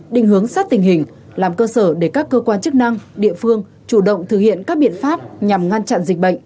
đình hướng sát tình hình làm cơ sở để các cơ quan chức năng địa phương chủ động thực hiện các biện pháp nhằm ngăn chặn dịch bệnh